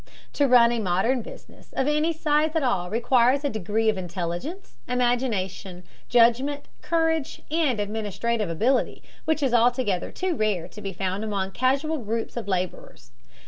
To run a modern business of any size at all requires a degree of intelligence, imagination, judgment, courage, and administrative ability which is altogether too rare to be found among casual groups of laborers.